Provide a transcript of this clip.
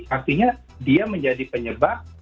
artinya dia menjadi penyebab